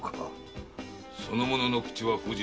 その者の口は封じました。